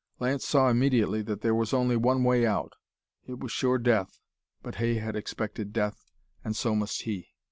Lance saw immediately that there was only one way out. It was sure death, but Hay had expected death, and so must he.